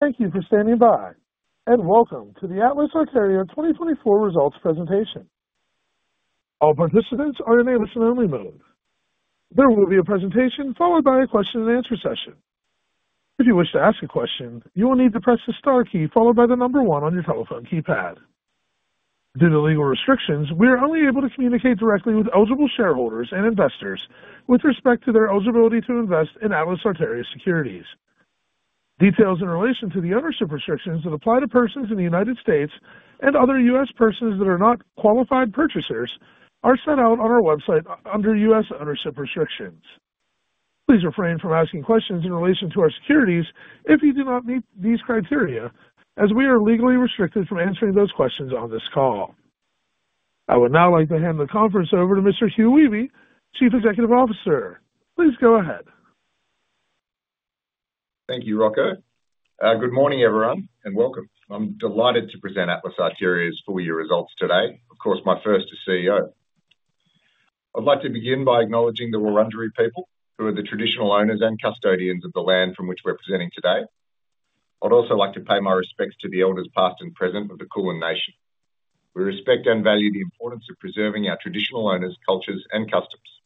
Thank you for standing by, and welcome to the Atlas Arteria 2024 Results Presentation. All participants are in listen-only mode. There will be a presentation followed by a question-and-answer session. If you wish to ask a question, you will need to press the star key followed by the number one on your telephone keypad. Due to legal restrictions, we are only able to communicate directly with eligible shareholders and investors with respect to their eligibility to invest in Atlas Arteria securities. Details in relation to the ownership restrictions that apply to persons in the United States and other U.S. persons that are not qualified purchasers are set out on our website under U.S. ownership restrictions. Please refrain from asking questions in relation to our securities if you do not meet these criteria, as we are legally restricted from answering those questions on this call.I would now like to hand the conference over to Mr. Hugh Wehby, Chief Executive Officer. Please go ahead. Thank you, Rocco. Good morning, everyone, and welcome. I'm delighted to present Atlas Arteria's full-year results today. Of course, my first as CEO. I'd like to begin by acknowledging the Wurundjeri people, who are the traditional owners and custodians of the land from which we're presenting today. I'd also like to pay my respects to the elders past and present of the Kulin Nation.We respect and value the importance of preserving our traditional owners, cultures, and customs.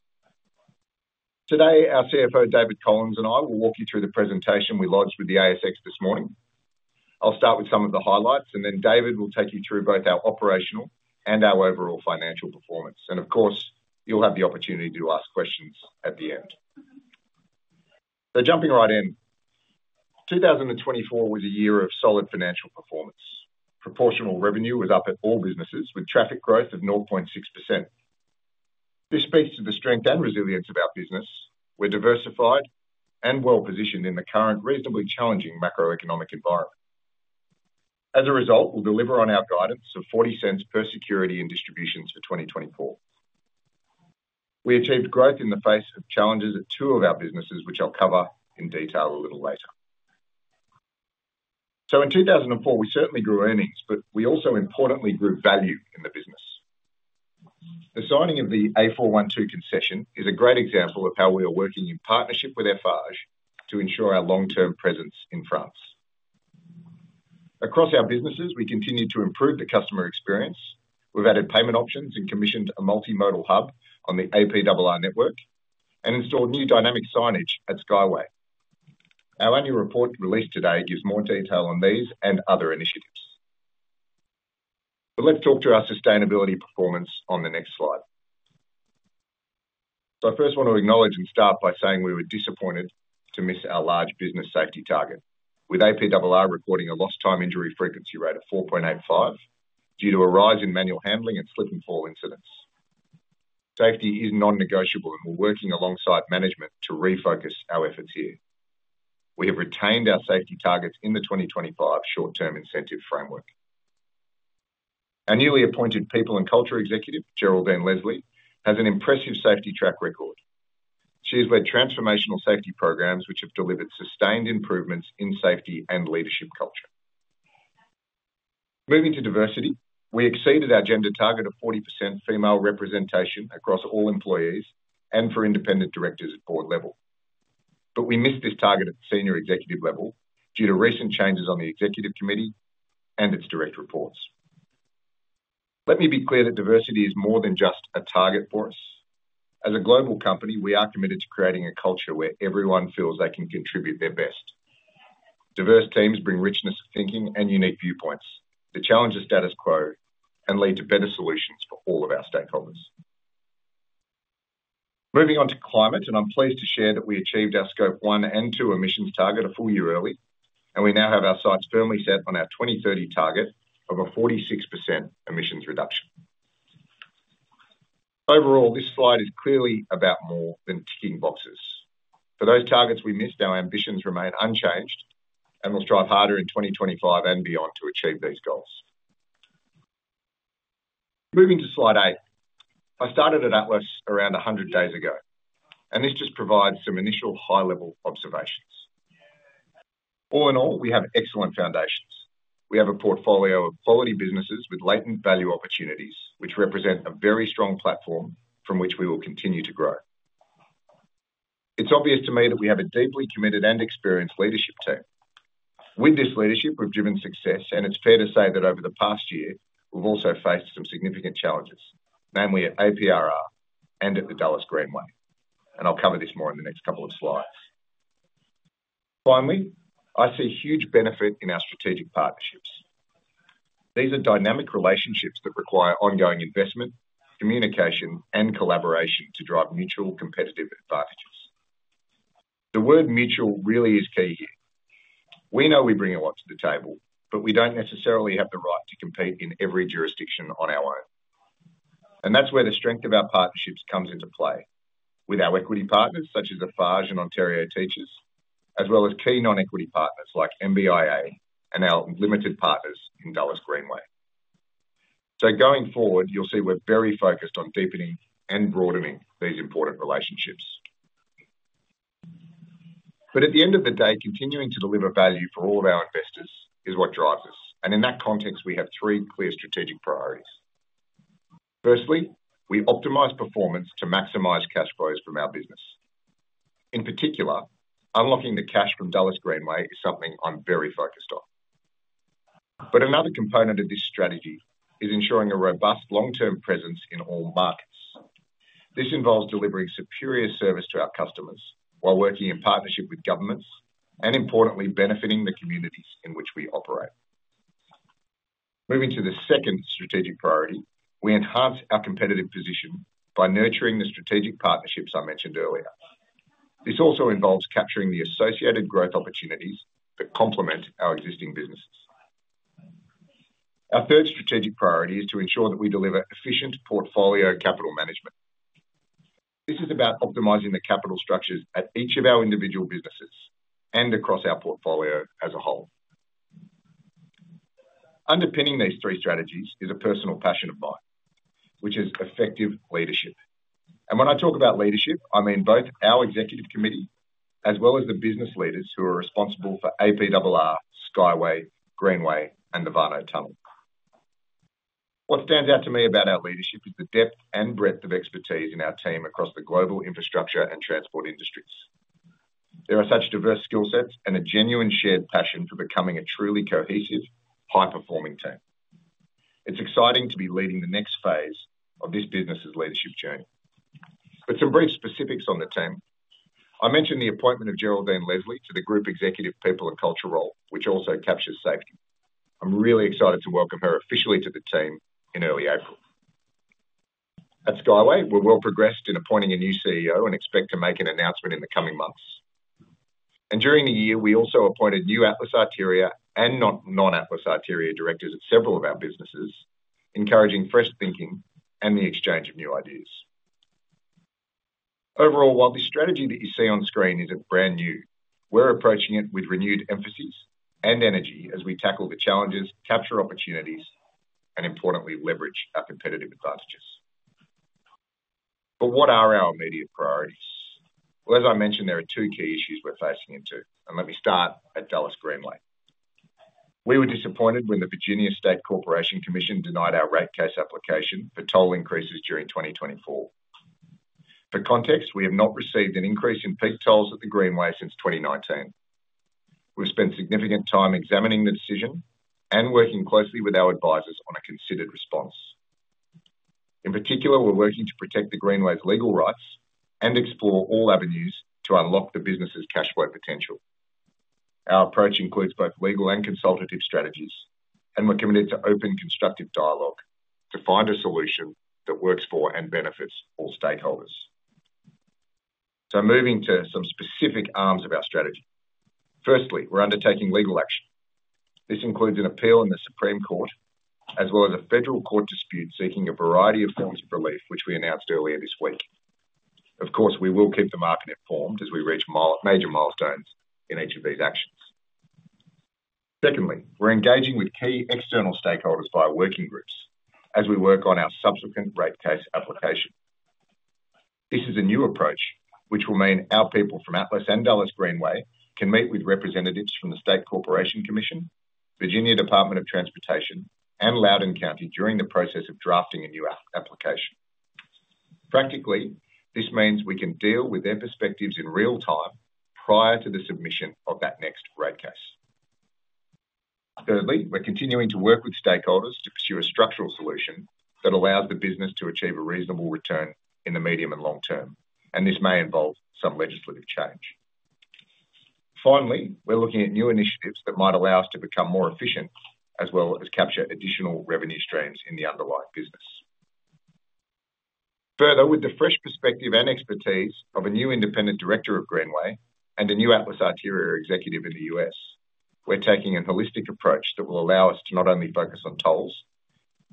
Today, our CFO, David Collins, and I will walk you through the presentation we launched with the ASX this morning. I'll start with some of the highlights, and then David will take you through both our operational and our overall financial performance. And of course, you'll have the opportunity to ask questions at the end. So jumping right in, 2024 was a year of solid financial performance. Proportional revenue was up at all businesses, with traffic growth of 0.6%.This speaks to the strength and resilience of our business. We're diversified and well-positioned in the current reasonably challenging macroeconomic environment. As a result, we'll deliver on our guidance of $0.40 per security in distributions for 2024. We achieved growth in the face of challenges at two of our businesses, which I'll cover in detail a little later. So in 2024, we certainly grew earnings, but we also importantly grew value in the business. The signing of the A412 concession is a great example of how we are working in partnership with Eiffage to ensure our long-term presence in France. Across our businesses, we continue to improve the customer experience. We've added payment options and commissioned a multimodal hub on the APRR network and installed new dynamic signage at Skyway. Our annual report released today gives more detail on these and other initiatives. But let's talk to our sustainability performance on the next slide. So I first want to acknowledge and start by saying we were disappointed to miss our large business safety target, with APRR reporting a lost-time injury frequency rate of 4.85 due to a rise in manual handling and slip and fall incidents. Safety is non-negotiable, and we're working alongside management to refocus our efforts here. We have retained our safety targets in the 2025 short-term incentive framework. Our newly appointed Group Executive, People and Culture, Geraldine Leslie, has an impressive safety track record. She has led transformational safety programs which have delivered sustained improvements in safety and leadership culture. Moving to diversity, we exceeded our gender target of 40% female representation across all employees and for independent directors at board level. But we missed this target at the senior executive level due to recent changes on the executive committee and its direct reports. Let me be clear that diversity is more than just a target for us. As a global company, we are committed to creating a culture where everyone feels they can contribute their best. Diverse teams bring richness of thinking and unique viewpoints, that challenge the status quo and lead to better solutions for all of our stakeholders. Moving on to climate, and I'm pleased to share that we achieved our Scope 1 and 2 emissions target a full year early, and we now have our sights firmly set on our 2030 target of a 46% emissions reduction. Overall, this slide is clearly about more than ticking boxes. For those targets we missed, our ambitions remain unchanged, and we'll strive harder in 2025 and beyond to achieve these goals. Moving to Slide 8, I started at Atlas around 100 days ago, and this just provides some initial high-level observations. All in all, we have excellent foundations. We have a portfolio of quality businesses with latent value opportunities, which represent a very strong platform from which we will continue to grow. It's obvious to me that we have a deeply committed and experienced leadership team. With this leadership, we've driven success, and it's fair to say that over the past year, we've also faced some significant challenges, namely at APRR and at the Dulles Greenway, and I'll cover this more in the next couple of slides. Finally, I see huge benefit in our strategic partnerships. These are dynamic relationships that require ongoing investment, communication, and collaboration to drive mutual competitive advantages. The word mutual really is key here. We know we bring a lot to the table, but we don't necessarily have the right to compete in every jurisdiction on our own. And that's where the strength of our partnerships comes into play with our equity partners such as Eiffage and Ontario Teachers, as well as key non-equity partners like MBIA and our limited partners in Dulles Greenway. So going forward, you'll see we're very focused on deepening and broadening these important relationships. But at the end of the day, continuing to deliver value for all of our investors is what drives us. And in that context, we have three clear strategic priorities. Firstly, we optimize performance to maximize cash flows from our business. In particular, unlocking the cash from Dulles Greenway is something I'm very focused on. But another component of this strategy is ensuring a robust long-term presence in all markets. This involves delivering superior service to our customers while working in partnership with governments and, importantly, benefiting the communities in which we operate. Moving to the second strategic priority, we enhance our competitive position by nurturing the strategic partnerships I mentioned earlier. This also involves capturing the associated growth opportunities that complement our existing businesses. Our third strategic priority is to ensure that we deliver efficient portfolio capital management. This is about optimizing the capital structures at each of our individual businesses and across our portfolio as a whole. Underpinning these three strategies is a personal passion of mine, which is effective leadership, and when I talk about leadership, I mean both our executive committee as well as the business leaders who are responsible for APRR, Skyway, Greenway, and the Warnow Tunnel. What stands out to me about our leadership is the depth and breadth of expertise in our team across the global infrastructure and transport industries. There are such diverse skill sets and a genuine shared passion for becoming a truly cohesive, high-performing team. It's exciting to be leading the next phase of this business's leadership journey, but some brief specifics on the team. I mentioned the appointment of Geraldine Leslie to the Group Executive, People and Culture role, which also captures safety. I'm really excited to welcome her officially to the team in early April. At Skyway, we're well progressed in appointing a new CEO and expect to make an announcement in the coming months, and during the year, we also appointed new Atlas Arteria and non-Atlas Arteria directors at several of our businesses, encouraging fresh thinking and the exchange of new ideas. Overall, while the strategy that you see on screen isn't brand new, we're approaching it with renewed emphasis and energy as we tackle the challenges, capture opportunities, and, importantly, leverage our competitive advantages. But what are our immediate priorities? Well, as I mentioned, there are two key issues we're facing into. And let me start at Dulles Greenway. We were disappointed when the Virginia State Corporation Commission denied our rate case application for toll increases during 2024. For context, we have not received an increase in peak tolls at the Greenway since 2019. We've spent significant time examining the decision and working closely with our advisors on a considered response. In particular, we're working to protect the Greenway's legal rights and explore all avenues to unlock the business's cash flow potential. Our approach includes both legal and consultative strategies, and we're committed to open constructive dialogue to find a solution that works for and benefits all stakeholders. So, moving to some specific arms of our strategy. Firstly, we're undertaking legal action. This includes an appeal in the Supreme Court as well as a federal court dispute seeking a variety of forms of relief, which we announced earlier this week. Of course, we will keep the market informed as we reach major milestones in each of these actions. Secondly, we're engaging with key external stakeholders via working groups as we work on our subsequent rate case application. This is a new approach, which will mean our people from Atlas and Dulles Greenway can meet with representatives from the State Corporation Commission, Virginia Department of Transportation, and Loudoun County during the process of drafting a new application. Practically, this means we can deal with their perspectives in real time prior to the submission of that next rate case. Thirdly, we're continuing to work with stakeholders to pursue a structural solution that allows the business to achieve a reasonable return in the medium and long term, and this may involve some legislative change. Finally, we're looking at new initiatives that might allow us to become more efficient as well as capture additional revenue streams in the underlying business. Further, with the fresh perspective and expertise of a new independent director of Greenway and a new Atlas Arteria executive in the U.S., we're taking a holistic approach that will allow us to not only focus on tolls,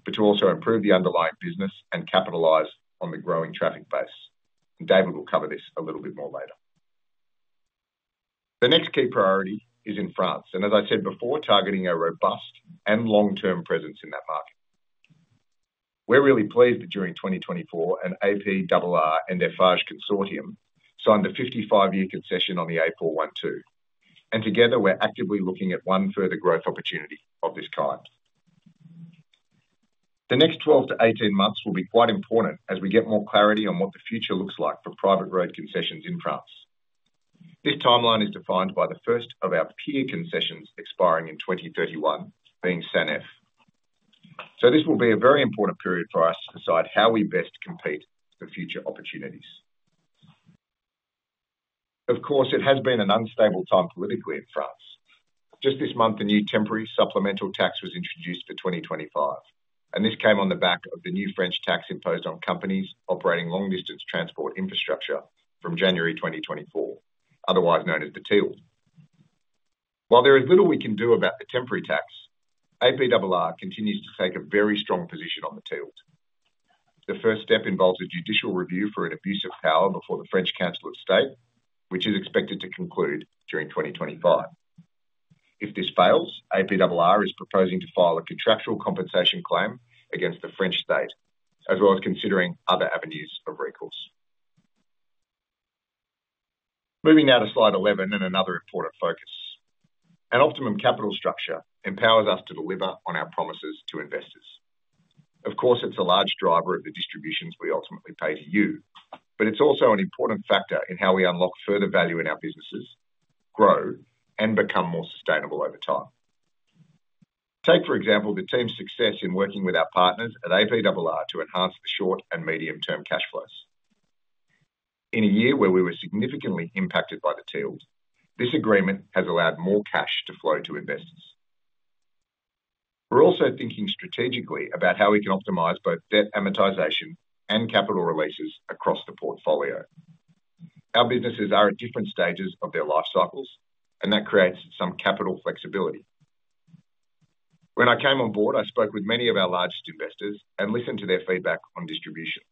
but to also improve the underlying business and capitalize on the growing traffic base, and David will cover this a little bit more later. The next key priority is in France. As I said before, targeting a robust and long-term presence in that market. We're really pleased that during 2024, an APRR and Eiffage consortium signed a 55-year concession on the A412. And together, we're actively looking at one further growth opportunity of this kind. The next 12 to 18 months will be quite important as we get more clarity on what the future looks like for private road concessions in France. This timeline is defined by the first of our peer concessions expiring in 2031 being SANEF. So this will be a very important period for us to decide how we best compete for future opportunities. Of course, it has been an unstable time politically in France. Just this month, a new temporary supplemental tax was introduced for 2025, and this came on the back of the new French tax imposed on companies operating long-distance transport infrastructure from January 2024, otherwise known as the TILD. While there is little we can do about the temporary tax, APRR continues to take a very strong position on the TILD. The first step involves a judicial review for an abuse of power before the French Council of State, which is expected to conclude during 2025. If this fails, APRR is proposing to file a contractual compensation claim against the French state, as well as considering other avenues of recourse. Moving now to Slide 11 and another important focus. An optimum capital structure empowers us to deliver on our promises to investors. Of course, it's a large driver of the distributions we ultimately pay to you, but it's also an important factor in how we unlock further value in our businesses, grow, and become more sustainable over time. Take, for example, the team's success in working with our partners at APRR to enhance the short and medium-term cash flows. In a year where we were significantly impacted by the TILD, this agreement has allowed more cash to flow to investors. We're also thinking strategically about how we can optimize both debt amortization and capital releases across the portfolio. Our businesses are at different stages of their life cycles, and that creates some capital flexibility. When I came on board, I spoke with many of our largest investors and listened to their feedback on distributions.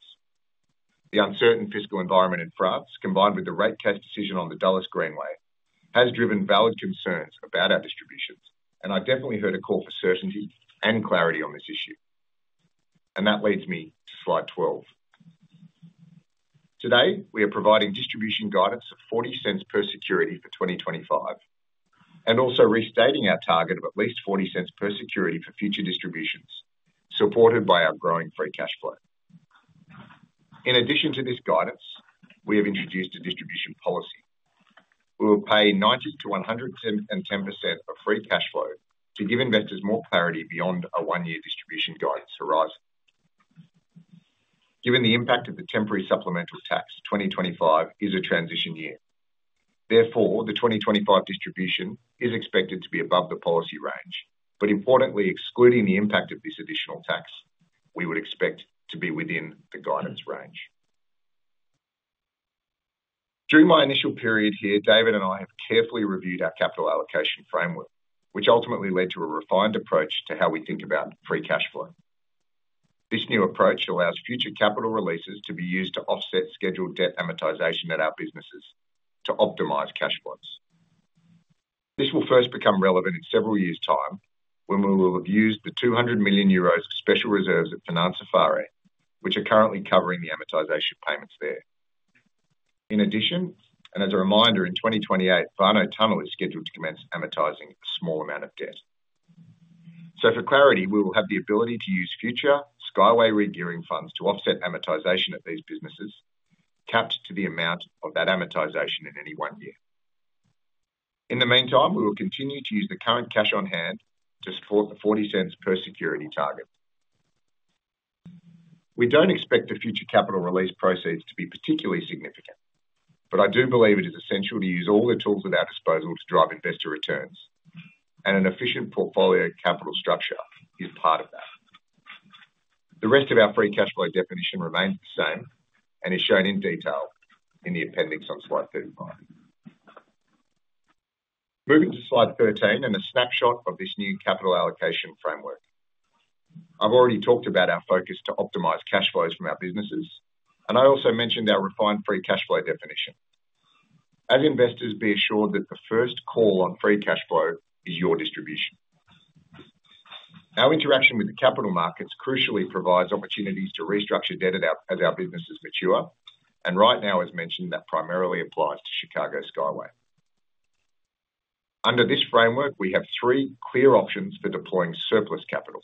The uncertain fiscal environment in France, combined with the rate case decision on the Dulles Greenway, has driven valid concerns about our distributions, and I definitely heard a call for certainty and clarity on this issue. And that leads me to Slide 12. Today, we are providing distribution guidance of 0.40 per security for 2025, and also restating our target of at least 0.40 per security for future distributions, supported by our growing free cash flow. In addition to this guidance, we have introduced a distribution policy. We will pay 90%-110% of free cash flow to give investors more clarity beyond a one-year distribution guidance horizon. Given the impact of the temporary supplemental tax, 2025 is a transition year. Therefore, the 2025 distribution is expected to be above the policy range, but importantly, excluding the impact of this additional tax, we would expect to be within the guidance range. During my initial period here, David and I have carefully reviewed our capital allocation framework, which ultimately led to a refined approach to how we think about free cash flow. This new approach allows future capital releases to be used to offset scheduled debt amortization at our businesses to optimize cash flows. This will first become relevant in several years' time when we will have used the 200,000,000 euros special reserves at Financière Eiffarie, which are currently covering the amortization payments there. In addition, and as a reminder, in 2028, Warnow Tunnel is scheduled to commence amortizing a small amount of debt. For clarity, we will have the ability to use future Skyway regearing funds to offset amortization at these businesses, capped to the amount of that amortization in any one year. In the meantime, we will continue to use the current cash on hand to support the 0.40 per security target. We don't expect the future capital release proceeds to be particularly significant, but I do believe it is essential to use all the tools at our disposal to drive investor returns, and an efficient portfolio capital structure is part of that. The rest of our free cash flow definition remains the same and is shown in detail in the appendix on Slide 35. Moving to Slide 13 and a snapshot of this new capital allocation framework. I've already talked about our focus to optimize cash flows from our businesses, and I also mentioned our refined free cash flow definition. As investors, be assured that the first call on free cash flow is your distribution. Our interaction with the capital markets crucially provides opportunities to restructure debt as our businesses mature, and right now, as mentioned, that primarily applies to Chicago Skyway. Under this framework, we have three clear options for deploying surplus capital.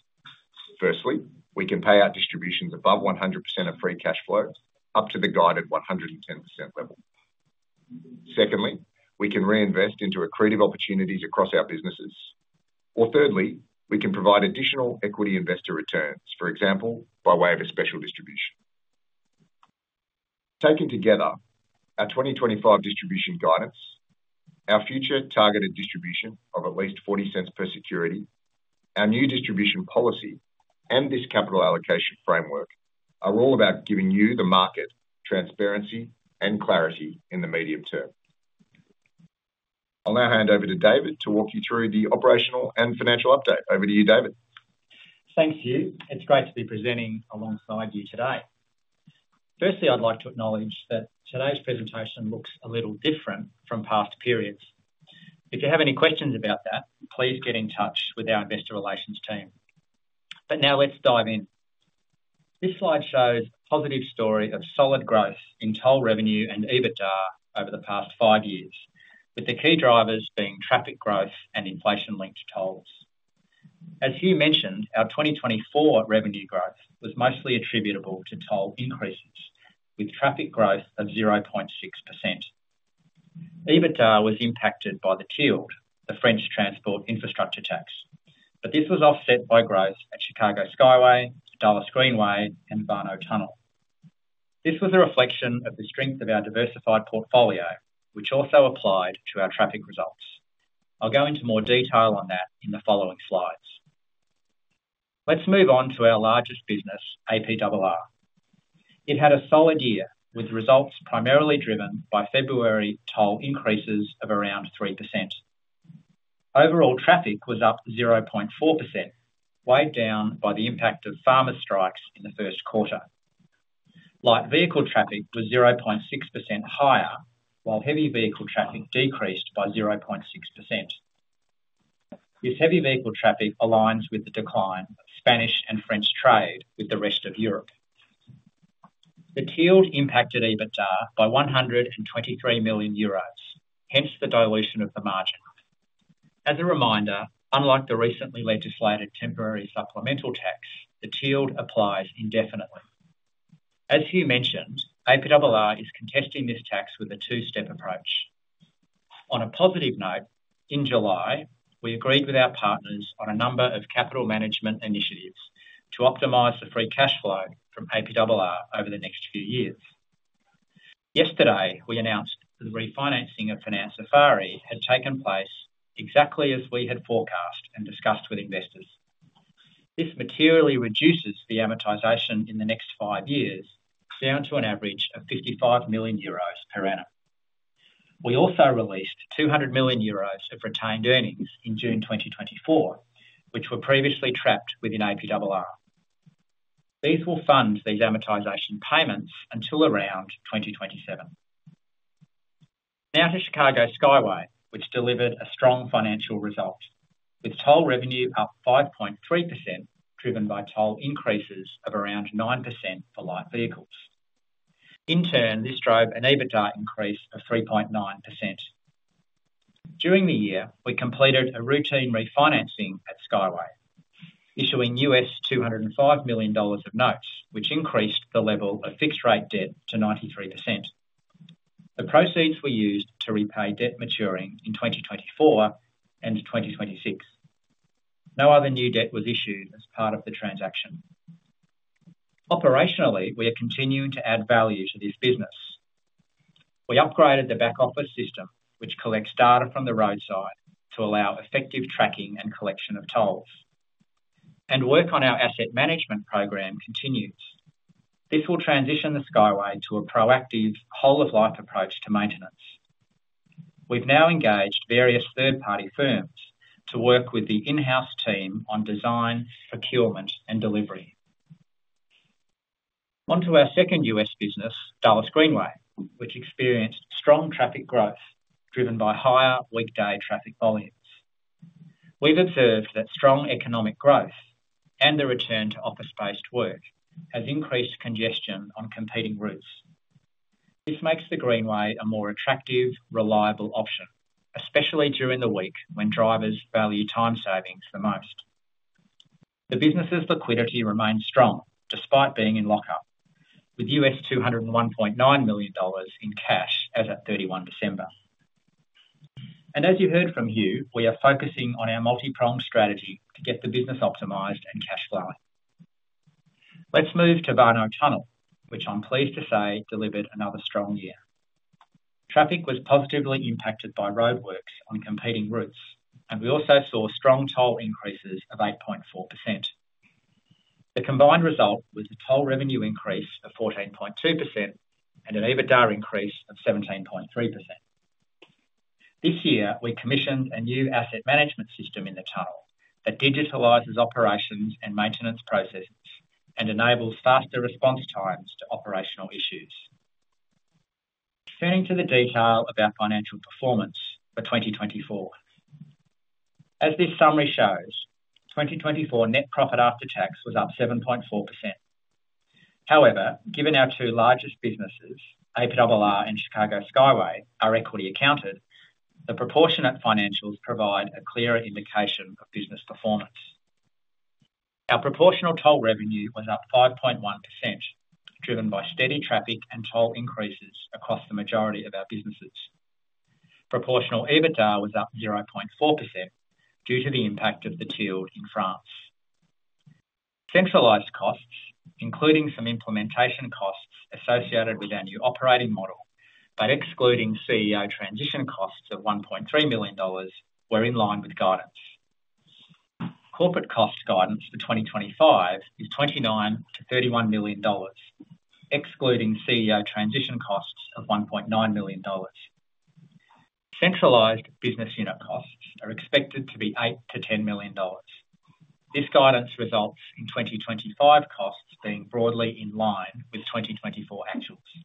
Firstly, we can pay out distributions above 100% of free cash flow up to the guided 110% level. Secondly, we can reinvest into accretive opportunities across our businesses. Or thirdly, we can provide additional equity investor returns, for example, by way of a special distribution. Taken together, our 2025 distribution guidance, our future targeted distribution of at least 0.40 per security, our new distribution policy, and this capital allocation framework are all about giving you the market transparency and clarity in the medium term. I'll now hand over to David to walk you through the operational and financial update. Over to you, David. Thanks, Hugh. It's great to be presenting alongside you today. Firstly, I'd like to acknowledge that today's presentation looks a little different from past periods. If you have any questions about that, please get in touch with our investor relations team. But now let's dive in. This slide shows a positive story of solid growth in toll revenue and EBITDA over the past five years, with the key drivers being traffic growth and inflation-linked tolls. As Hugh mentioned, our 2024 revenue growth was mostly attributable to toll increases, with traffic growth of 0.6%. EBITDA was impacted by the TILD, the French transport infrastructure tax, but this was offset by growth at Chicago Skyway, Dulles Greenway, and Warnow Tunnel. This was a reflection of the strength of our diversified portfolio, which also applied to our traffic results. I'll go into more detail on that in the following slides. Let's move on to our largest business, APRR. It had a solid year with results primarily driven by February toll increases of around 3%. Overall, traffic was up 0.4%, weighed down by the impact of farmer strikes in the Q1. Light vehicle traffic was 0.6% higher, while heavy vehicle traffic decreased by 0.6%. This heavy vehicle traffic aligns with the decline of Spanish and French trade with the rest of Europe.The TILD impacted EBITDA by 123,000,000 euros, hence the dilution of the margin. As a reminder, unlike the recently legislated temporary supplemental tax, the TILD applies indefinitely. As Hugh mentioned, APRR is contesting this tax with a two-step approach. On a positive note, in July, we agreed with our partners on a number of capital management initiatives to optimize the free cash flow from APRR over the next few years. Yesterday, we announced the refinancing of Financière Eiffarie had taken place exactly as we had forecast and discussed with investors. This materially reduces the amortization in the next five years, down to an average of 55,000,000 euros per annum. We also released 200,000,000 euros of retained earnings in June 2024, which were previously trapped within APRR. These will fund these amortization payments until around 2027. Now to Chicago Skyway, which delivered a strong financial result, with toll revenue up 5.3%, driven by toll increases of around 9% for light vehicles. In turn, this drove an EBITDA increase of 3.9%. During the year, we completed a routine refinancing at Skyway, issuing $205,000,000 of notes, which increased the level of fixed-rate debt to 93%. The proceeds were used to repay debt maturing in 2024 and 2026. No other new debt was issued as part of the transaction. Operationally, we are continuing to add value to this business. We upgraded the back-office system, which collects data from the roadside to allow effective tracking and collection of tolls. And work on our asset management program continues. This will transition the Skyway to a proactive whole-of-life approach to maintenance. We've now engaged various third-party firms to work with the in-house team on design, procurement, and delivery. Onto our second U.S. business, Dulles Greenway, which experienced strong traffic growth driven by higher weekday traffic volumes. We've observed that strong economic growth and the return to office-based work has increased congestion on competing routes. This makes the Greenway a more attractive, reliable option, especially during the week when drivers value time savings the most. The business's liquidity remains strong despite being in lock-up, with $201,900,000 in cash as of 31 December, and as you heard from Hugh, we are focusing on our multi-pronged strategy to get the business optimized and cash flowing. Let's move to Warnow Tunnel, which I'm pleased to say delivered another strong year. Traffic was positively impacted by roadworks on competing routes, and we also saw strong toll increases of 8.4%. The combined result was a toll revenue increase of 14.2% and an EBITDA increase of 17.3%. This year, we commissioned a new asset management system in the tunnel that digitalizes operations and maintenance processes and enables faster response times to operational issues. Turning to the detail of our financial performance for 2024. As this summary shows, 2024 net profit after tax was up 7.4%. However, given our two largest businesses, APRR and Chicago Skyway, are equity accounted, the proportionate financials provide a clearer indication of business performance. Our proportional toll revenue was up 5.1%, driven by steady traffic and toll increases across the majority of our businesses. Proportional EBITDA was up 0.4% due to the impact of the TILD in France. Centralized costs, including some implementation costs associated with our new operating model, but excluding CEO transition costs of $1,300,000, were in line with guidance. Corporate cost guidance for 2025 is $29,000,000-$31,000,000, excluding CEO transition costs of $1,900,000.Centralized business unit costs are expected to be 8-10,000,000 dollars. This guidance results in 2025 costs being broadly in line with 2024 actuals.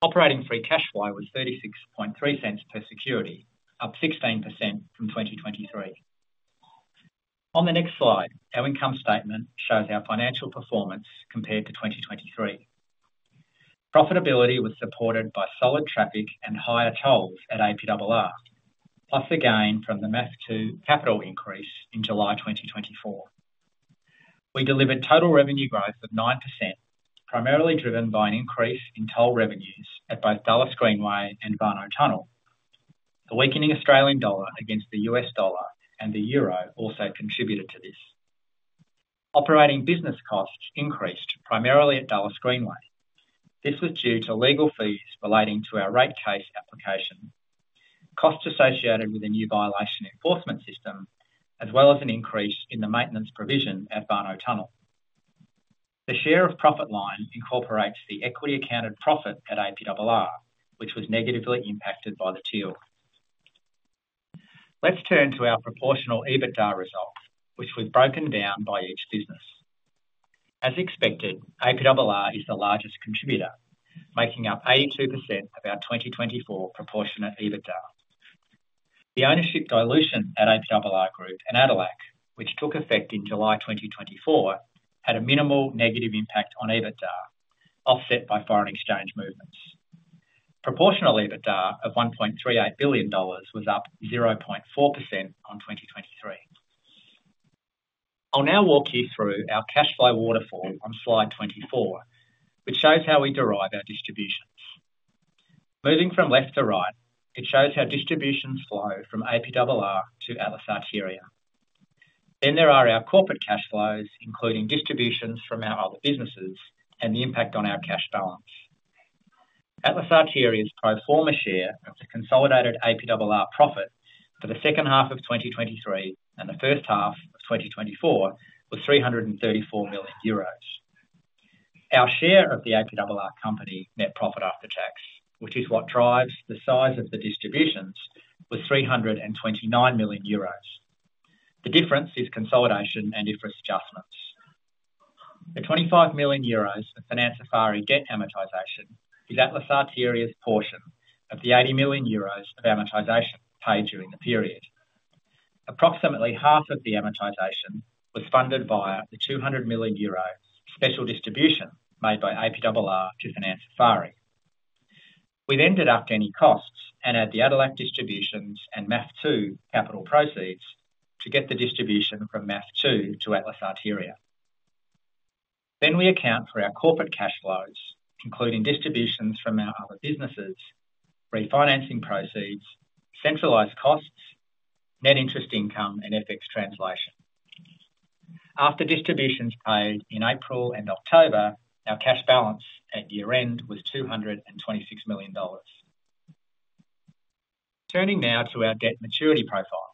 Operating free cash flow was 0.363 per security, up 16% from 2023. On the next slide, our income statement shows our financial performance compared to 2023. Profitability was supported by solid traffic and higher tolls at APRR, plus the gain from the MAF2 capital increase in July 2024. We delivered total revenue growth of 9%, primarily driven by an increase in toll revenues at both Dulles Greenway and Warnow Tunnel. The weakening Australian dollar against the US dollar and the Euro also contributed to this. Operating business costs increased primarily at Dulles Greenway. This was due to legal fees relating to our rate case application, costs associated with a new violation enforcement system, as well as an increase in the maintenance provision at Warnow Tunnel. The share of profit line incorporates the equity accounted profit at APRR, which was negatively impacted by the TILD. Let's turn to our proportional EBITDA result, which was broken down by each business. As expected, APRR is the largest contributor, making up 82% of our 2024 proportionate EBITDA. The ownership dilution at APRR Group and ADELAC, which took effect in July 2024, had a minimal negative impact on EBITDA, offset by foreign exchange movements. Proportional EBITDA of $1,380,000,000 was up 0.4% on 2023. I'll now walk you through our cash flow waterfall on Slide 24, which shows how we derive our distributions. Moving from left to right, it shows how distributions flow from APRR to Atlas Arteria.Then there are our corporate cash flows, including distributions from our other businesses and the impact on our cash balance. Atlas Arteria's pro forma share of the consolidated APRR profit for the second half of 2023 and the first half of 2024 was 334,000,000 euros. Our share of the APRR company net profit after tax, which is what drives the size of the distributions, was 329,000,000 euros. The difference is consolidation and interest adjustments. The 25,000,000 euros of Financière Eiffarie debt amortization is Atlas Arteria's portion of the 80,000,000 euros of amortization paid during the period. Approximately half of the amortization was funded via the 200,000,000 euro special distribution made by APRR to Financière Eiffarie. We then deduct any costs and add the ADELAC distributions and MAF2 capital proceeds to get the distribution from MAF2 to Atlas Arteria.Then we account for our corporate cash flows, including distributions from our other businesses, refinancing proceeds, centralized costs, net interest income, and FX translation. After distributions paid in April and October, our cash balance at year-end was $226,000,000. Turning now to our debt maturity profile.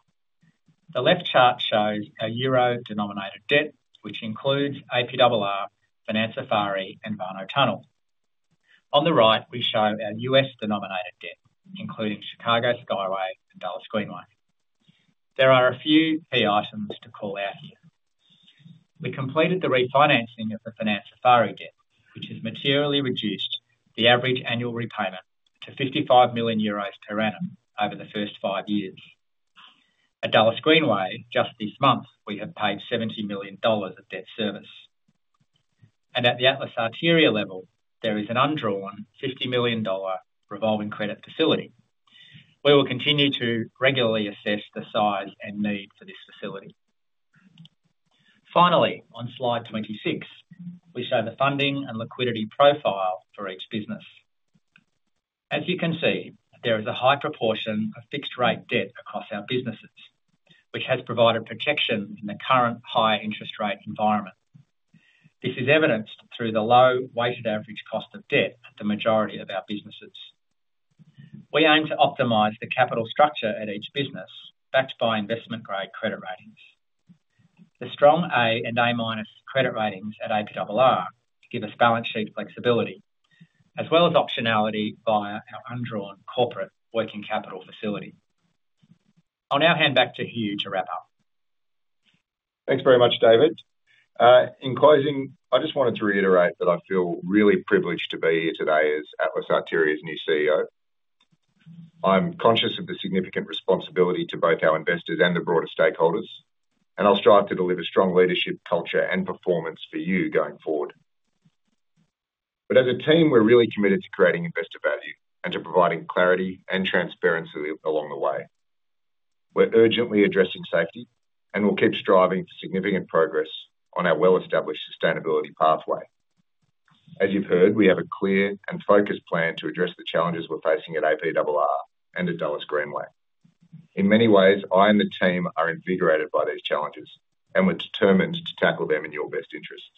The left chart shows our euro-denominated debt, which includes APRR, Financière Eiffarie, and Warnow Tunnel. On the right, we show our U.S.-denominated debt, including Chicago Skyway and Dulles Greenway. There are a few key items to call out here. We completed the refinancing of the Financière Eiffarie debt, which has materially reduced the average annual repayment to 55,000,000 euros per annum over the first five years. At Dulles Greenway, just this month, we have paid $70,000,000 of debt service. And at the Atlas Arteria level, there is an undrawn $50,000,000 revolving credit facility. We will continue to regularly assess the size and need for this facility. Finally, on Slide 26, we show the funding and liquidity profile for each business. As you can see, there is a high proportion of fixed-rate debt across our businesses, which has provided protection in the current high-interest rate environment. This is evidenced through the low weighted average cost of debt at the majority of our businesses. We aim to optimize the capital structure at each business backed by investment-grade credit ratings. The strong A and A Minus credit ratings at APRR give us balance sheet flexibility, as well as optionality via our undrawn corporate working capital facility. I'll now hand back to Hugh to wrap up. Thanks very much, David. In closing, I just wanted to reiterate that I feel really privileged to be here today as Atlas Arteria's new CEO.I'm conscious of the significant responsibility to both our investors and the broader stakeholders, and I'll strive to deliver strong leadership culture and performance for you going forward. But as a team, we're really committed to creating investor value and to providing clarity and transparency along the way. We're urgently addressing safety and will keep striving for significant progress on our well-established sustainability pathway. As you've heard, we have a clear and focused plan to address the challenges we're facing at APRR and at Dulles Greenway. In many ways, I and the team are invigorated by these challenges and we're determined to tackle them in your best interests.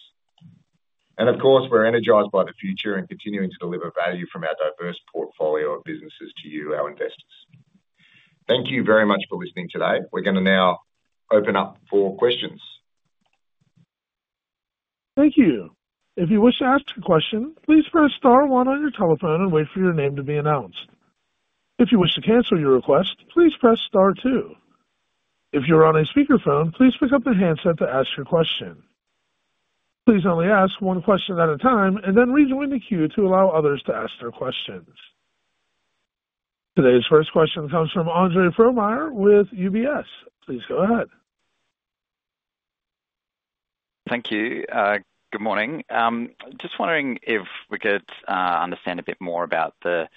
And of course, we're energized by the future and continuing to deliver value from our diverse portfolio of businesses to you, our investors. Thank you very much for listening today. We're going to now open up for questions. Thank you. If you wish to ask a question, please press star one on your telephone and wait for your name to be announced. If you wish to cancel your request, please press star two. If you're on a speakerphone, please pick up the handset to ask your question. Please only ask one question at a time and then rejoin the queue to allow others to ask their questions. Today's first question comes from Andre Fromyhr with UBS. Please go ahead. Thank you. Good morning. Just wondering if we could understand a bit more about the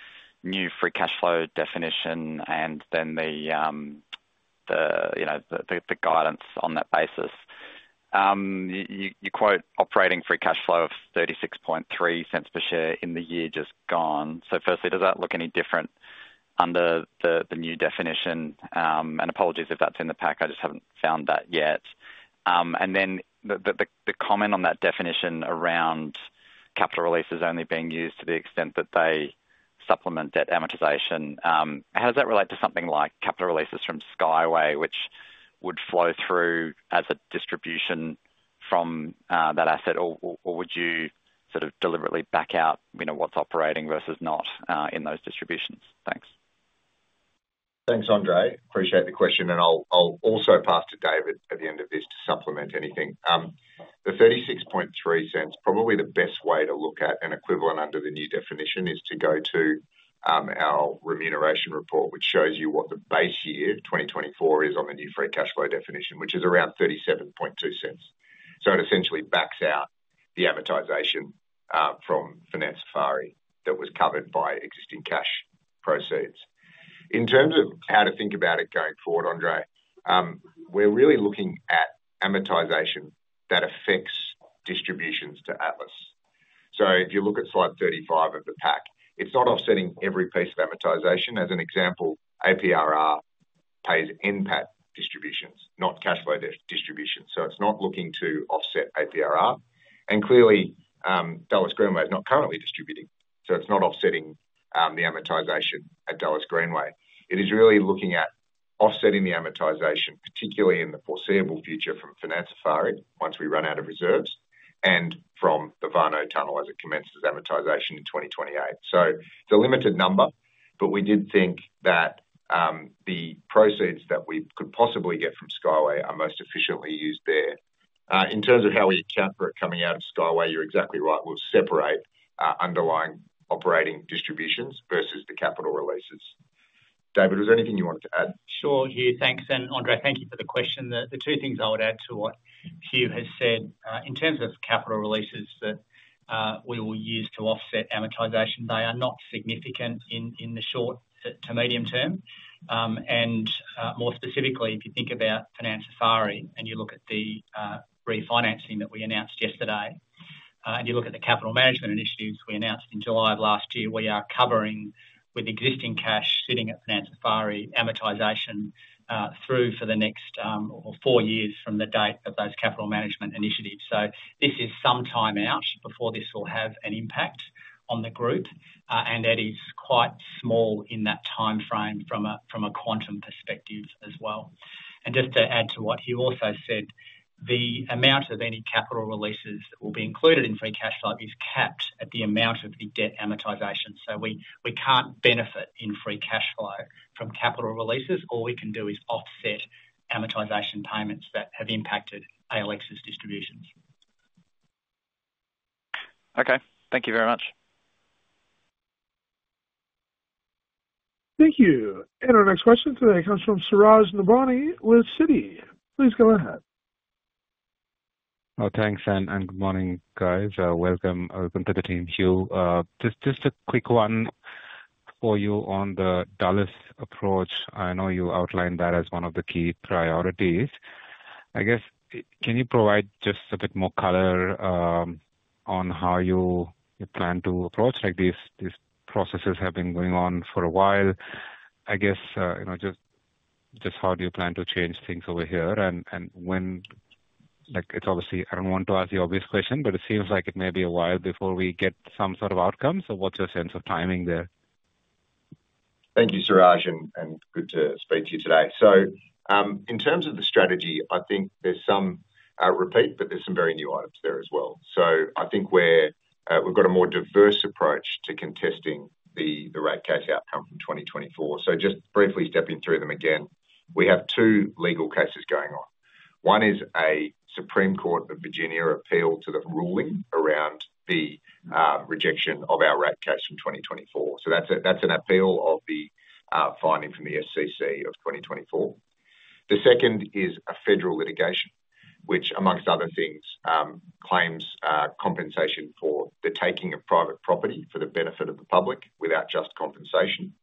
new free cash flow definition and then the guidance on that basis. You quote operating free cash flow of 0.363 per share in the year just gone. So firstly, does that look any different under the new definition? And apologies if that's in the pack. I just haven't found that yet. And then the comment on that definition around capital releases only being used to the extent that they supplement debt amortization, how does that relate to something like capital releases from Skyway, which would flow through as a distribution from that asset, or would you sort of deliberately back out what's operating versus not in those distributions? Thanks. Thanks, Andre. Appreciate the question. And I'll also pass to David at the end of this to supplement anything. The 0.363, probably the best way to look at an equivalent under the new definition is to go to our remuneration report, which shows you what the base year 2024 is on the new free cash flow definition, which is around 0.372. So it essentially backs out the amortization from Financière Eiffarie that was covered by existing cash proceeds. In terms of how to think about it going forward, Andre, we're really looking at amortization that affects distributions to Atlas. So if you look at Slide 35 of the pack, it's not offsetting every piece of amortization. As an example, APRR pays NPAT distributions, not cash flow distributions. So it's not looking to offset APRR. And clearly, Dulles Greenway is not currently distributing, so it's not offsetting the amortization at Dulles Greenway. It is really looking at offsetting the amortization, particularly in the foreseeable future from Financière Eiffarie once we run out of reserves and from the Warnow Tunnel as it commences amortization in 2028. So it's a limited number, but we did think that the proceeds that we could possibly get from Skyway are most efficiently used there. In terms of how we account for it coming out of Skyway, you're exactly right. We'll separate underlying operating distributions versus the capital releases. David, was there anything you wanted to add? Sure, Hugh. Thanks. And, Andre, thank you for the question. The two things I would add to what Hugh has said. In terms of capital releases that we will use to offset amortization, they are not significant in the short to medium term. And more specifically, if you think about Financière Eiffarie and you look at the refinancing that we announced yesterday and you look at the capital management initiatives we announced in July of last year, we are covering with existing cash sitting at Financière Eiffarie amortization through for the next four years from the date of those capital management initiatives. So this is some time out before this will have an impact on the group, and that is quite small in that timeframe from a quantum perspective as well. And just to add to what Hugh also said, the amount of any capital releases that will be included in free cash flow is capped at the amount of the debt amortization. So we can't benefit in free cash flow from capital releases. All we can do is offset amortization payments that have impacted ALX's distributions. Okay. Thank you very much. Thank you. And our next question today comes from Suraj Nebhani with Citi. Please go ahead. Oh, thanks. And good morning, guys. Welcome to the team, Hugh. Just a quick one for you on the Dulles approach. I know you outlined that as one of the key priorities. I guess, can you provide just a bit more color on how you plan to approach? These processes have been going on for a while. I guess, just how do you plan to change things over here? When it's obviously, I don't want to ask the obvious question, but it seems like it may be a while before we get some sort of outcome. So what's your sense of timing there? Thank you, Suraj, and good to speak to you today. So in terms of the strategy, I think there's some repeat, but there's some very new items there as well. So I think we've got a more diverse approach to contesting the rate case outcome from 2024. So just briefly stepping through them again, we have two legal cases going on. One is a Supreme Court of Virginia appeal to the ruling around the rejection of our rate case from 2024. So that's an appeal of the finding from the SCC of 2024. The second is a federal litigation, which, among other things, claims compensation for the taking of private property for the benefit of the public without just compensation.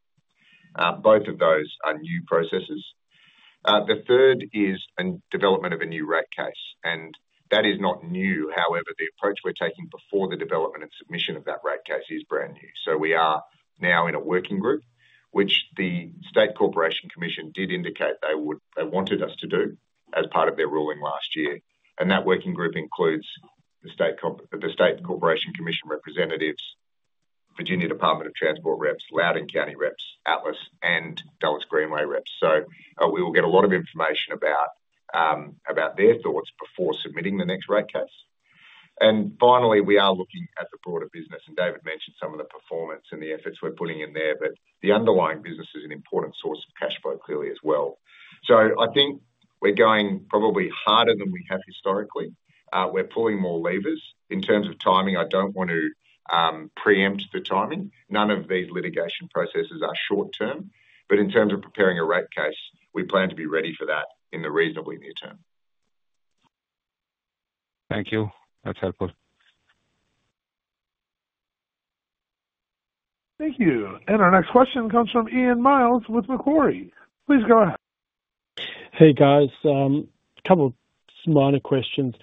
Both of those are new processes. The third is a development of a new rate case. And that is not new. However, the approach we're taking before the development and submission of that rate case is brand new. So we are now in a working group, which the State Corporation Commission did indicate they wanted us to do as part of their ruling last year. And that working group includes the State Corporation Commission representatives, Virginia Department of Transportation reps, Loudoun County reps, Atlas, and Dulles Greenway reps. So we will get a lot of information about their thoughts before submitting the next rate case. And finally, we are looking at the broader business. And David mentioned some of the performance and the efforts we're putting in there, but the underlying business is an important source of cash flow clearly as well. So I think we're going probably harder than we have historically. We're pulling more levers. In terms of timing, I don't want to preempt the timing. None of these litigation processes are short term. But in terms of preparing a rate case, we plan to be ready for that in the reasonably near term. Thank you. That's helpful. Thank you. And our next question comes from Ian Myles with Macquarie. Please go ahead. Hey, guys. A couple of minor questions.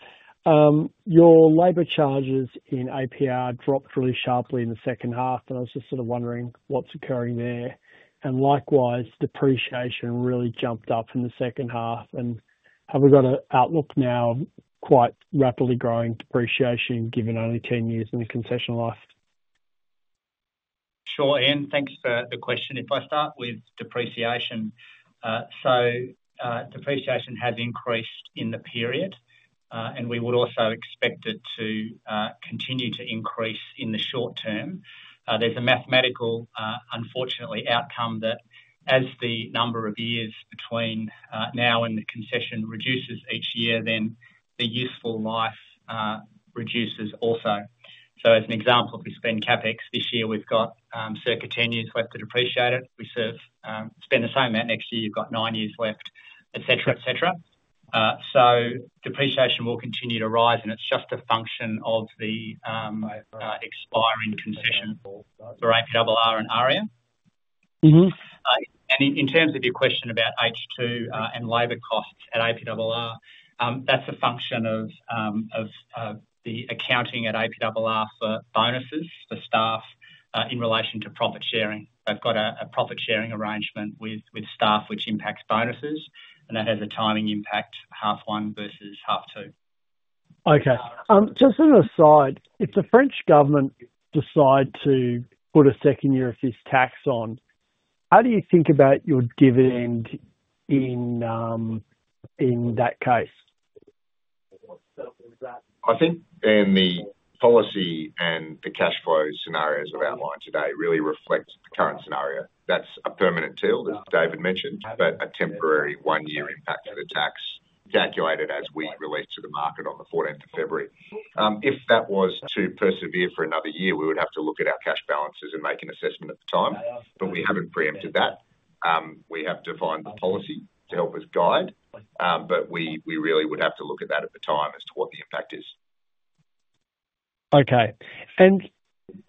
Your labor charges in APRR dropped really sharply in the second half, and I was just sort of wondering what's occurring there. And likewise, depreciation really jumped up in the second half. Have we got an outlook now of quite rapidly growing depreciation given only 10 years in the concession life? Sure, Ian. Thanks for the question. If I start with depreciation, so depreciation has increased in the period, and we would also expect it to continue to increase in the short term. There's a mathematical, unfortunately, outcome that as the number of years between now and the concession reduces each year, then the useful life reduces also. So as an example, if we spend CapEx this year, we've got circa 10 years left to depreciate it. If we spend the same amount next year, you've got nine years left, etc., etc. So depreciation will continue to rise, and it's just a function of the expiring concession for APRR and Atlas Arteria. In terms of your question about H2 and labor costs at APRR, that's a function of the accounting at APRR for bonuses for staff in relation to profit sharing. They've got a profit sharing arrangement with staff, which impacts bonuses, and that has a timing impact, half one versus half two. Okay. Just an aside, if the French government decide to put a second year of this tax on, how do you think about your dividend in that case? I think the policy and the cash flow scenarios we've outlined today really reflect the current scenario. That's a permanent TILD, as David mentioned, but a temporary one-year impact for the tax calculated as we release to the market on the 14th of February.If that was to persevere for another year, we would have to look at our cash balances and make an assessment at the time, but we haven't preempted that. We have defined the policy to help us guide, but we really would have to look at that at the time as to what the impact is. Okay. And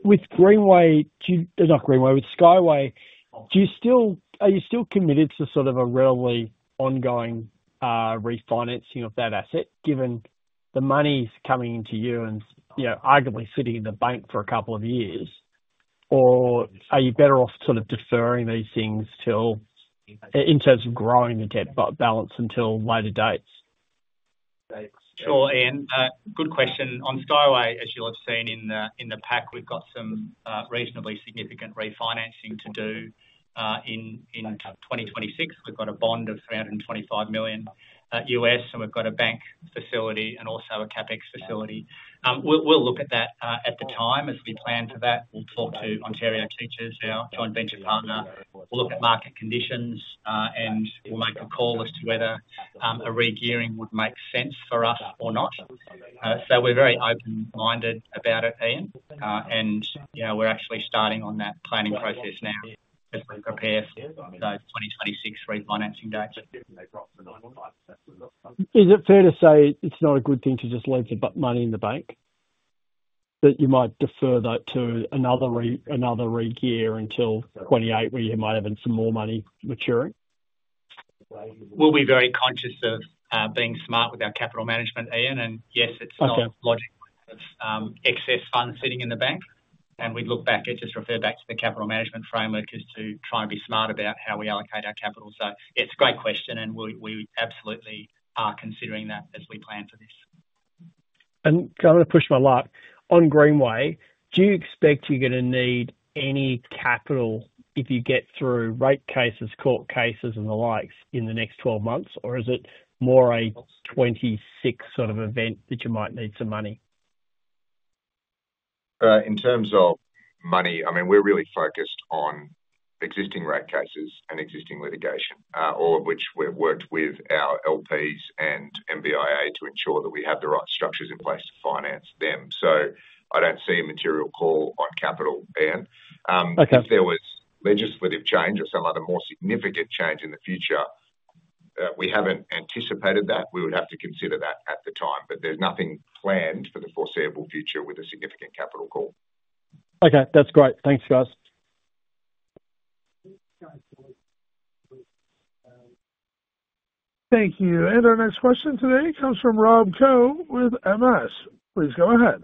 with Greenway, not Greenway, with Skyway, are you still committed to sort of a readily ongoing refinancing of that asset given the money's coming into you and arguably sitting in the bank for a couple of years? Or are you better off sort of deferring these things in terms of growing the debt balance until later dates? Sure, Ian. Good question, On Skyway, as you'll have seen in the pack, we've got some reasonably significant refinancing to do in 2026.We've got a bond of $325 ,000,000, and we've got a bank facility and also a CapEx facility. We'll look at that at the time as we plan for that. We'll talk to Ontario Teachers, our joint venture partner. We'll look at market conditions, and we'll make a call as to whether a regearing would make sense for us or not, so we're very open-minded about it, Ian. We're actually starting on that planning process now as we prepare for those 2026 refinancing dates. Is it fair to say it's not a good thing to just leave the money in the bank, that you might defer that to another regear until 2028 where you might have some more money maturing? We'll be very conscious of being smart with our capital management, Ian. Yes, it's not logical to have excess funds sitting in the bank. And we'd look back at just refer back to the capital management framework as to try and be smart about how we allocate our capital. So it's a great question, and we absolutely are considering that as we plan for this. And I'm going to push my luck. On Greenway, do you expect you're going to need any capital if you get through rate cases, court cases, and the likes in the next 12 months? Or is it more a '26 sort of event that you might need some money? In terms of money, I mean, we're really focused on existing rate cases and existing litigation, all of which we've worked with our LPs and MBIA to ensure that we have the right structures in place to finance them. So I don't see a material call on capital, Ian.If there was legislative change or some other more significant change in the future, we haven't anticipated that. We would have to consider that at the time, but there's nothing planned for the foreseeable future with a significant capital call. Okay. That's great. Thanks, guys. Thank you. And our next question today comes from Rob Koh with Morgan Stanley. Please go ahead.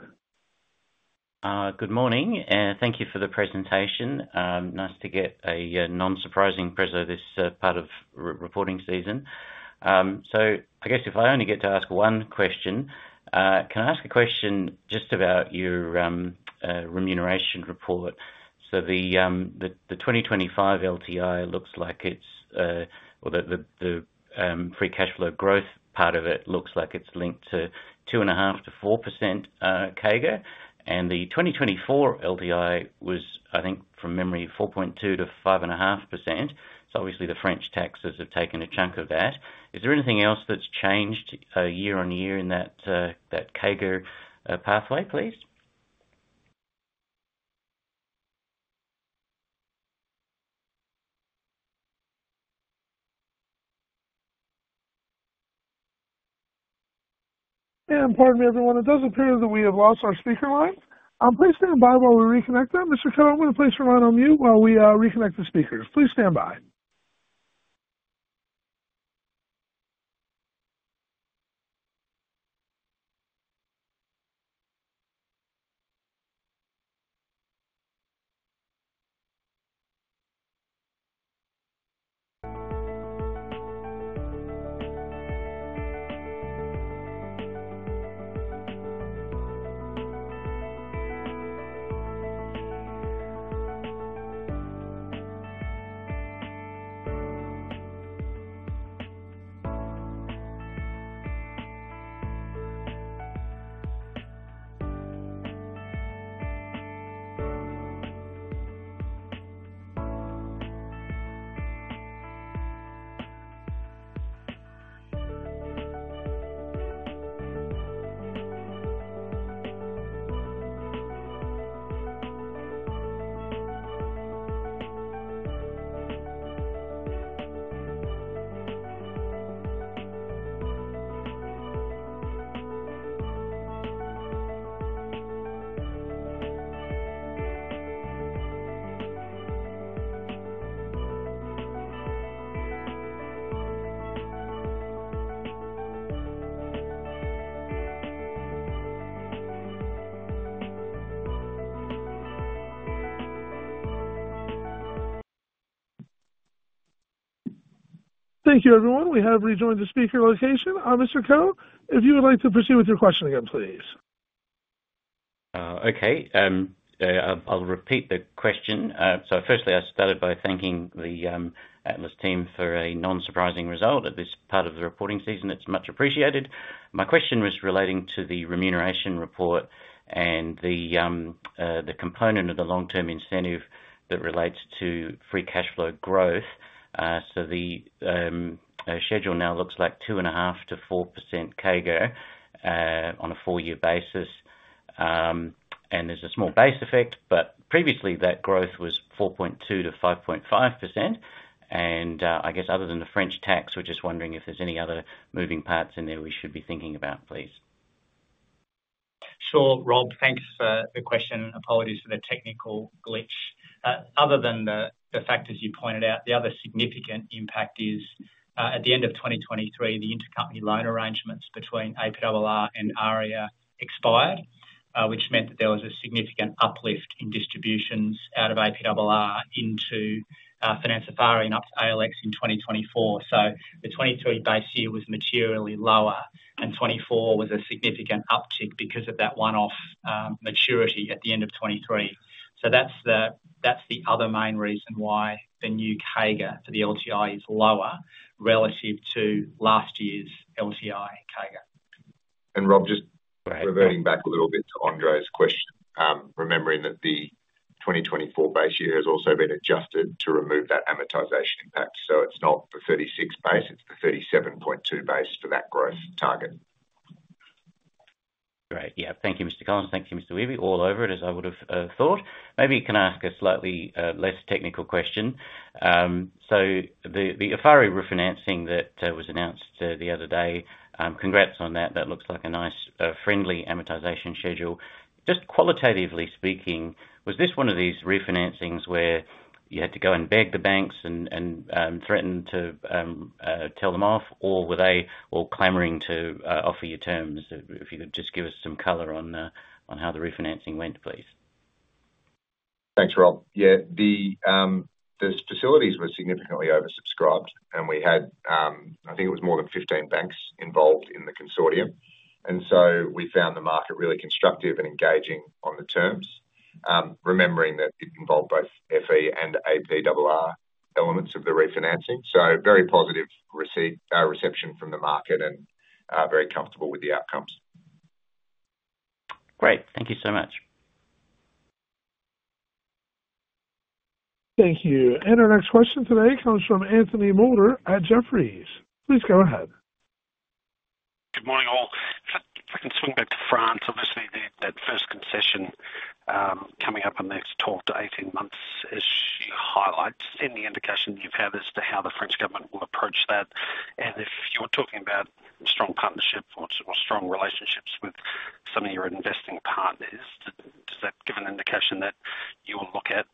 Good morning. Thank you for the presentation. Nice to get a non-surprising presentation this part of reporting season. So I guess if I only get to ask one question, can I ask a question just about your remuneration report? So the 2025 LTI looks like it's or the free cash flow growth part of it looks like it's linked to 2.5%-4% CAGR. And the 2024 LTI was, I think, from memory, 4.2%-5.5%. So obviously, the French taxes have taken a chunk of that. Is there anything else that's changed year on year in that CAGR pathway, please? And pardon me, everyone. It does appear that we have lost our speaker line. Please stand by while we reconnect them. Mr.Koh, I'm going to place your line on mute while we reconnect the speakers. Please stand by. Thank you, everyone. We have rejoined the speaker location. Mr. Koh, if you would like to proceed with your question again, please. Okay. I'll repeat the question. So firstly, I started by thanking the Atlas team for a non-surprising result at this part of the reporting season. It's much appreciated. My question was relating to the remuneration report and the component of the long-term incentive that relates to free cash flow growth. So the schedule now looks like 2.5%-4% CAGR on a four-year basis. There's a small base effect, but previously, that growth was 4.2%-5.5%. I guess other than the French tax, we're just wondering if there's any other moving parts in there we should be thinking about, please. Sure, Rob. Thanks for the question. Apologies for the technical glitch. Other than the factors you pointed out, the other significant impact is at the end of 2023, the intercompany loan arrangements between APRR and AREA expired, which meant that there was a significant uplift in distributions out of APRR into Financière Eiffarie and up to ALX in 2024. The 2023 base year was materially lower, and 2024 was a significant uptick because of that one-off maturity at the end of 2023. That's the other main reason why the new CAGR for the LTI is lower relative to last year's LTI CAGR. And Rob, just reverting back a little bit to Andre's question, remembering that the 2024 base year has also been adjusted to remove that amortization impact. So it's not the 36 base, it's the 37.2 base for that growth target. Great. Yeah. Thank you, Mr. Collins. Thank you, Mr. Wehby. All over it, as I would have thought. Maybe you can ask a slightly less technical question. So the Eiffarie refinancing that was announced the other day, congrats on that. That looks like a nice, friendly amortization schedule. Just qualitatively speaking, was this one of these refinancings where you had to go and beg the banks and threaten to tell them off, or were they all clamoring to offer you terms? If you could just give us some color on how the refinancing went, please. Thanks, Rob. Yeah.The facilities were significantly oversubscribed, and we had, I think it was more than 15 banks involved in the consortium. And so we found the market really constructive and engaging on the terms, remembering that it involved both E and APRR elements of the refinancing. So very positive reception from the market and very comfortable with the outcomes. Great. Thank you so much. Thank you. And our next question today comes from Anthony Moulder at Jefferies. Please go ahead. Good morning, all. If I can swing back to France, obviously, that first concession coming up on the next 12-18 months, as you highlight, any indication you've had as to how the French government will approach that? If you were talking about strong partnerships or strong relationships with some of your investing partners, does that give an indication that you will look at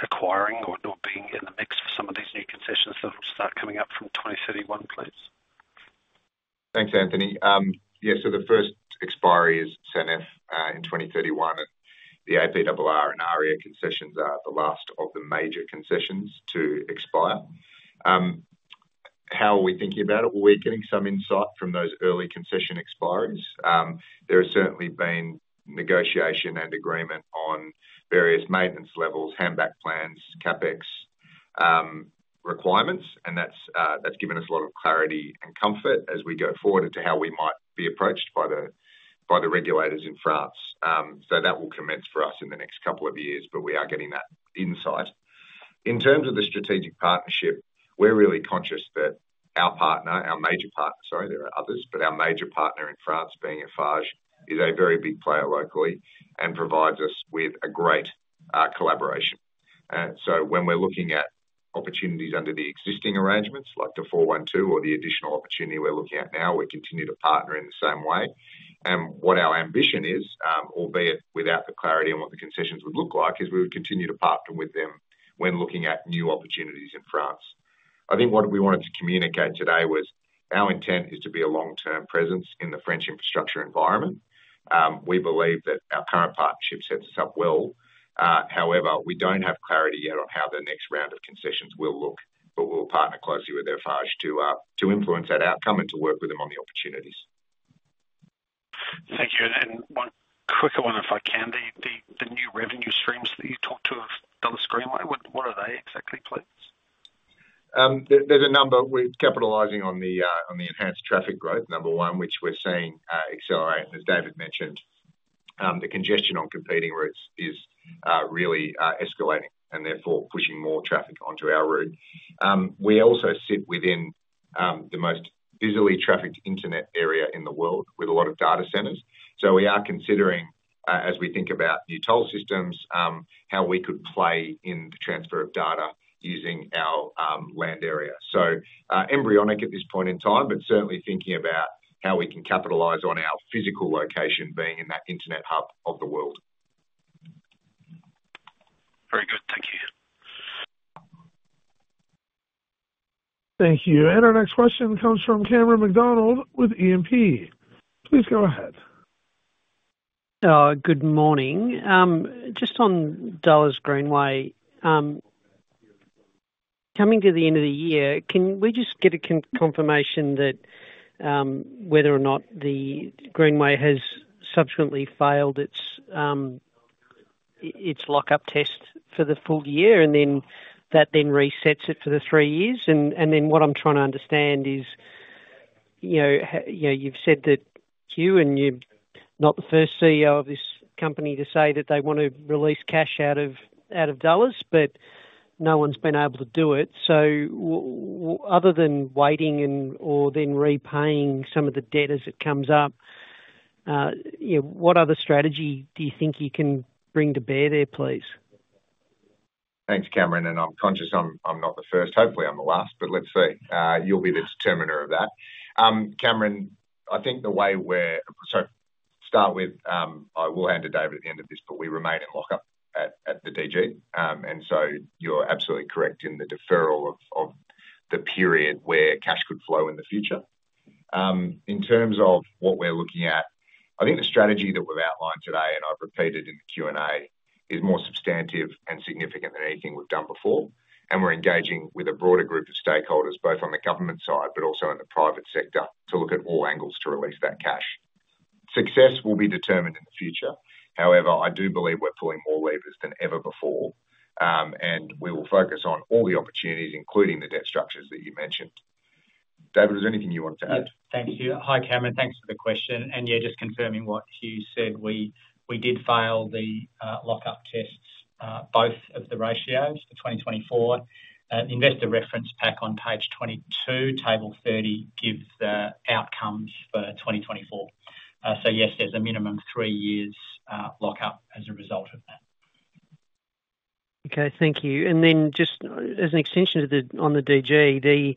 acquiring or being in the mix for some of these new concessions that will start coming up from 2031, please? Thanks, Anthony. Yeah. The first expiry is Sanef in 2031. The APRR and ADELAC concessions are the last of the major concessions to expire. How are we thinking about it? We're getting some insight from those early concession expiries. There has certainly been negotiation and agreement on various maintenance levels, handback plans, CapEx requirements, and that's given us a lot of clarity and comfort as we go forward into how we might be approached by the regulators in France. That will commence for us in the next couple of years, but we are getting that insight. In terms of the strategic partnership, we're really conscious that our partner, our major partner, sorry, there are others, but our major partner in France, being Eiffage, is a very big player locally and provides us with a great collaboration. So when we're looking at opportunities under the existing arrangements, like the A412 or the additional opportunity we're looking at now, we continue to partner in the same way. And what our ambition is, albeit without the clarity on what the concessions would look like, is we would continue to partner with them when looking at new opportunities in France. I think what we wanted to communicate today was our intent is to be a long-term presence in the French infrastructure environment. We believe that our current partnership sets us up well. However, we don't have clarity yet on how the next round of concessions will look, but we'll partner closely with Eiffage to influence that outcome and to work with them on the opportunities. Thank you. One quicker one, if I can. The new revenue streams that you talked through on screen. What are they exactly, please? There's a number. We're capitalizing on the enhanced traffic growth, number one, which we're seeing accelerate. And as David mentioned, the congestion on competing routes is really escalating and therefore pushing more traffic onto our route. We also sit within the busiest trafficked internet area in the world with a lot of data centers. So we are considering, as we think about new toll systems, how we could play in the transfer of data using our land area. So embryonic at this point in time, but certainly thinking about how we can capitalize on our physical location being in that internet hub of the world. Very good. Thank you. Thank you. And our next question comes from Cameron McDonald with E&P. Please go ahead. Good morning. Just on Dulles Greenway, coming to the end of the year, can we just get a confirmation that whether or not the Greenway has subsequently failed its lock-up test for the full year, and then that then resets it for the three years? And then what I'm trying to understand is you've said that you and you're not the first CEO of this company to say that they want to release cash out of Dulles, but no one's been able to do it. So other than waiting or then repaying some of the debt as it comes up, what other strategy do you think you can bring to bear there, please? Thanks, Cameron and I'm conscious I'm not the first. Hopefully, I'm the last, but let's see. You'll be the determiner of that. Cameron, I think I will hand to David at the end of this, but we remain in lock-up at the DG. And so you're absolutely correct in the deferral of the period where cash could flow in the future. In terms of what we're looking at, I think the strategy that we've outlined today, and I've repeated in the Q&A, is more substantive and significant than anything we've done before. And we're engaging with a broader group of stakeholders, both on the government side but also in the private sector, to look at all angles to release that cash. Success will be determined in the future. However, I do believe we're pulling more levers than ever before, and we will focus on all the opportunities, including the debt structures that you mentioned. David, was there anything you wanted to add? Thank you. Hi, Cameron. Thanks for the question. And yeah, just confirming what Hugh said. We did fail the lock-up tests, both of the ratios, for 2024. The Investor Reference Pack on page 22, Table 30, gives the outcomes for 2024. So yes, there's a minimum three years lock-up as a result of that. Okay. Thank you. And then just as an extension on the DG,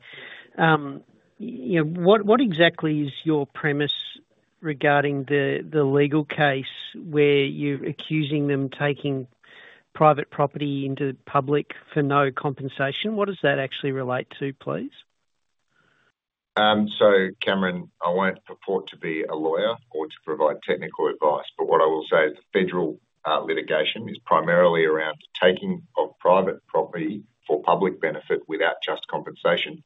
what exactly is your premise regarding the legal case where you're accusing them taking private property into the public for no compensation? What does that actually relate to, please? So, Cameron, I won't purport to be a lawyer or to provide technical advice, but what I will say is the federal litigation is primarily around the taking of private property for public benefit without just compensation.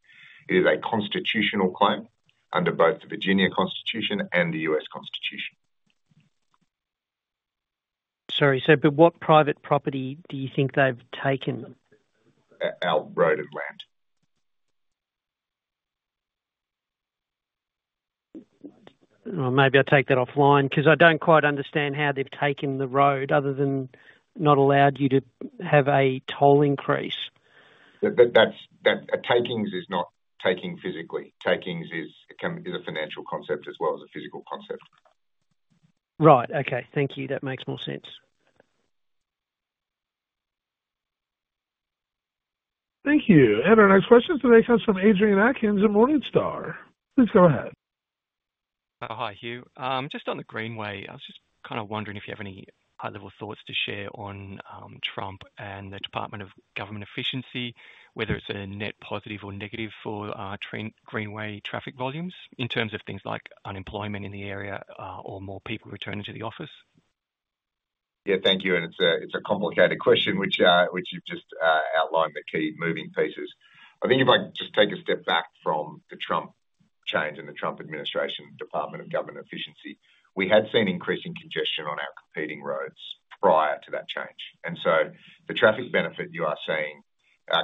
It is a constitutional claim under both the Virginia Constitution and the U.S. Constitution. Sorry, so but what private property do you think they've taken? Roadway land. Well, maybe I'll take that offline because I don't quite understand how they've taken the road other than not allowed you to have a toll increase. A takings is not taking physically. Takings is a financial concept as well as a physical concept. Right. Okay. Thank you. That makes more sense. Thank you. And our next question today comes from Adrian Atkins of Morningstar. Please go ahead. Hi, Hugh. Just on the Greenway, I was just kind of wondering if you have any high-level thoughts to share on Trump and the Department of Government Efficiency, whether it's a net positive or negative for Greenway traffic volumes in terms of things like unemployment in the area or more people returning to the office? Yeah. Thank you. And it's a complicated question, which you've just outlined the key moving pieces. I think if I just take a step back from the Trump change and the Trump administration Department of Government Efficiency, we had seen increasing congestion on our competing roads prior to that change. And so the traffic benefit you are seeing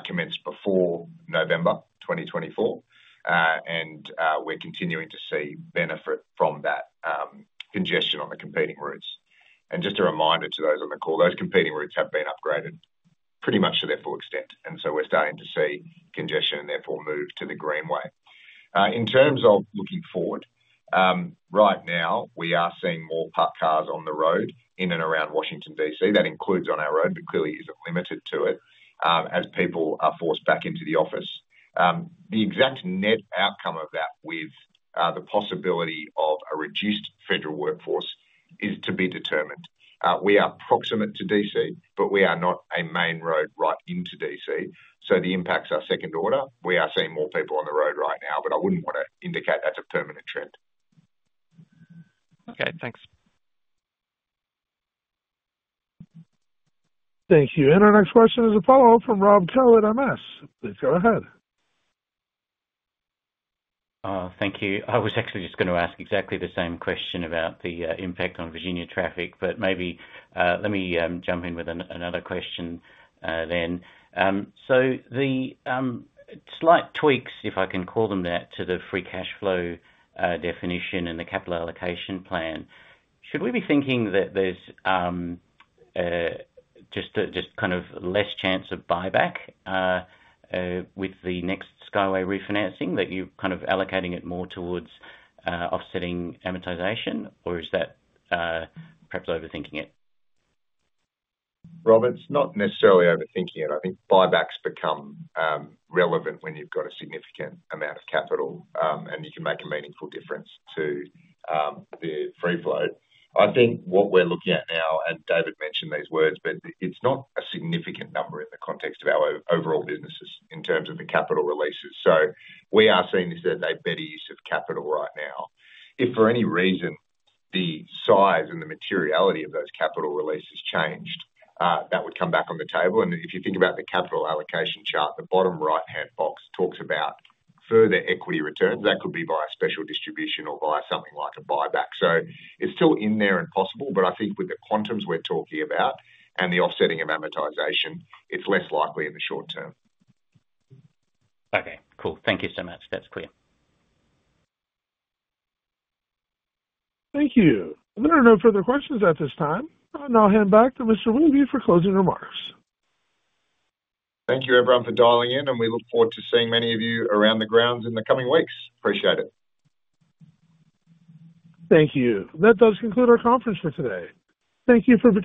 commenced before November 2024, and we're continuing to see benefit from that congestion on the competing routes. Just a reminder to those on the call, those competing routes have been upgraded pretty much to their full extent. And so we're starting to see congestion and therefore move to the Greenway. In terms of looking forward, right now, we are seeing more parked cars on the road in and around Washington, D.C. That includes on our road, but clearly isn't limited to it, as people are forced back into the office. The exact net outcome of that with the possibility of a reduced federal workforce is to be determined. We are proximate to D.C., but we are not a main road right into D.C. So the impacts are second order. We are seeing more people on the road right now, but I wouldn't want to indicate that's a permanent trend. Okay. Thanks. Thank you. And our next question is a follow-up from Rob Koh, MS.Please go ahead. Thank you. I was actually just going to ask exactly the same question about the impact on Virginia traffic, but maybe let me jump in with another question then. So the slight tweaks, if I can call them that, to the free cash flow definition and the capital allocation plan, should we be thinking that there's just kind of less chance of buyback with the next Skyway refinancing that you're kind of allocating it more towards offsetting amortization, or is that perhaps overthinking it? Rob, it's not necessarily overthinking it. I think buybacks become relevant when you've got a significant amount of capital, and you can make a meaningful difference to the free flow. I think what we're looking at now, and David mentioned these words, but it's not a significant number in the context of our overall businesses in terms of the capital releases. So we are seeing this as a better use of capital right now. If for any reason the size and the materiality of those capital releases changed, that would come back on the table. And if you think about the capital allocation chart, the bottom right-hand box talks about further equity returns. That could be via special distribution or via something like a buyback. So it's still in there and possible, but I think with the quantums we're talking about and the offsetting of amortization, it's less likely in the short term. Okay. Cool. Thank you so much. That's clear. Thank you. There are no further questions at this time. I'll now hand back to Mr. Wehby for closing remarks. Thank you, everyone, for dialing in, and we look forward to seeing many of you around the grounds in the coming weeks. Appreciate it. Thank you. That does conclude our Conference for today. Thank you for.